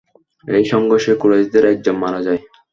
এই সংঘর্ষে কুরাইশদের একজন মারা যায়।